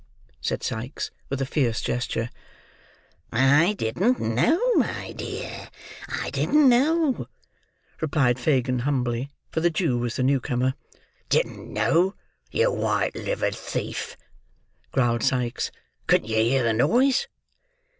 said Sikes, with a fierce gesture. "I didn't know, my dear, I didn't know," replied Fagin, humbly; for the Jew was the new comer. "Didn't know, you white livered thief!" growled Sikes. "Couldn't you hear the noise?"